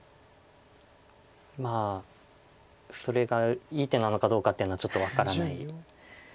まあそれがいい手なのかどうかっていうのはちょっと分からない。